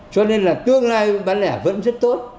cho nên là tương lai bán lẻ vẫn rất tốt